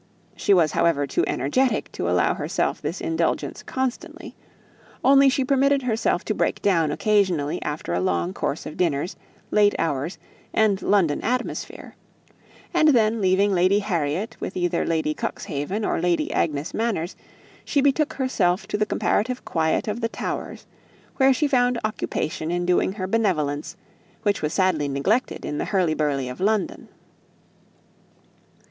She was, however, too energetic to allow herself this indulgence constantly; only she permitted herself to break down occasionally after a long course of dinners, late hours, and London atmosphere: and then, leaving Lady Harriet with either Lady Cuxhaven or Lady Agnes Manners, she betook herself to the comparative quiet of the Towers, where she found occupation in doing her benevolence, which was sadly neglected in the hurly burly of London.